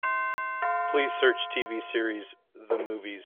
Please search TV series The Movies.